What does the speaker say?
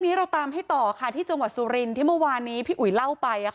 ตอนนี้เราตามให้ต่อที่จงหวัดซูรินที่เมื่อวานนี้พี่อุยเล่าไป